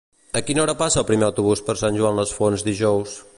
A quina hora passa el primer autobús per Sant Joan les Fonts dijous?